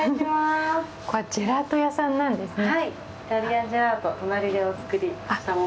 ここはジェラート屋さんなんですね。